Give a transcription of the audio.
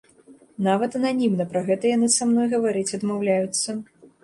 Нават ананімна пра гэта яны са мной гаварыць адмаўляюцца.